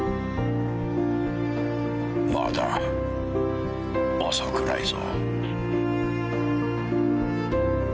まだ遅くないぞ。